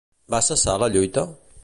Va cessar la lluita?